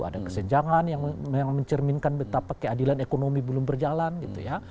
ada kesenjangan yang mencerminkan betapa keadilan ekonomi belum berjalan gitu ya